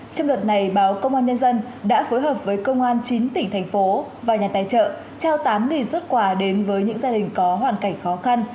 trong đợt này báo công an nhân dân đã phối hợp với công an chín tỉnh thành phố và nhà tài trợ trao tám xuất quà đến với những gia đình có hoàn cảnh khó khăn